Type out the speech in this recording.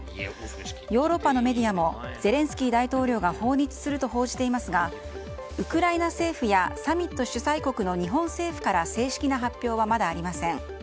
ヨーロッパのメディアもゼレンスキー大統領が訪日すると報じていますがウクライナ政府やサミット主催国の日本政府から正式な発表はまだありません。